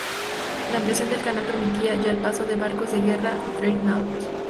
La ampliación del canal permitía ya el paso de barcos de guerra "Dreadnought".